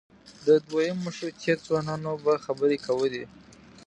د دویم مشروطیت ځوانانو به خبرې کولې.